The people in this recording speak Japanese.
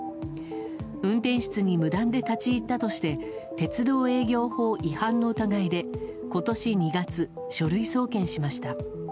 運転室に無断で立ち入ったとして鉄道営業法違反の疑いで今年２月、書類送検しました。